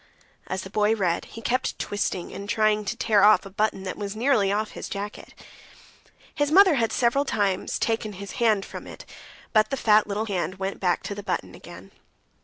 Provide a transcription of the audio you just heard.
As the boy read, he kept twisting and trying to tear off a button that was nearly off his jacket. His mother had several times taken his hand from it, but the fat little hand went back to the button again.